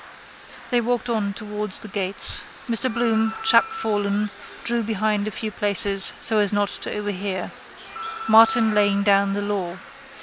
They walked on towards the gates. Mr Bloom, chapfallen, drew behind a few paces so as not to overhear. Martin laying down the law.